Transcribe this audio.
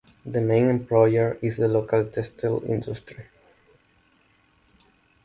The main employer is the local textile industry.